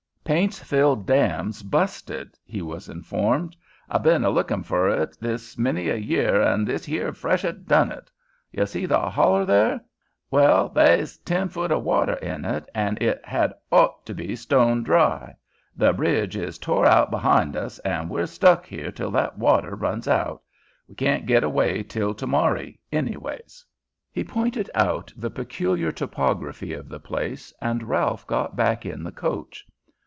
"Paintsville dam's busted," he was informed. "I been a lookin' fer it this many a year, an' this here freshet done it. You see the holler there? Well, they's ten foot o' water in it, an' it had ort to be stone dry. The bridge is tore out behind us, an' we're stuck here till that water runs out. We can't git away till to morry, anyways." He pointed out the peculiar topography of the place, and Ralph got back in the coach.